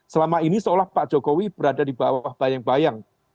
selama ini seolah pak jokowi berada di bawah bayang bayang